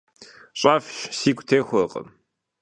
Щӏэфш, сигу техуэркъым.